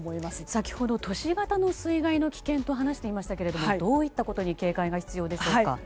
先ほど、都市型の水害の危険という話がありましたがどういったことに警戒が必要ですか。